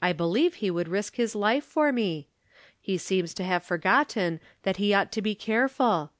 I believe he would risk his life for me. He seems to have forgotten that he ought to be careful.